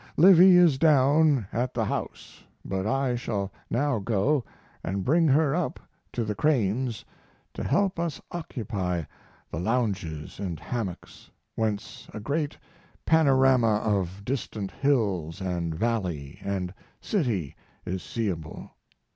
Livy is down at the house, but I shall now go and bring her up to the Cranes to help us occupy the lounges and hammocks, whence a great panorama of distant hills and valley and city is seeable.